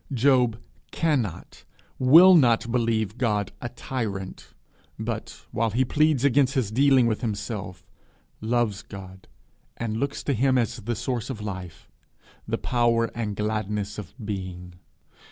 He cannot, will not believe him a tyrant; but, while he pleads against his dealing with himself, loves him, and looks to him as the source of life, the power and gladness of being.